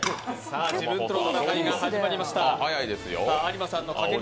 自分との戦いが始まりました。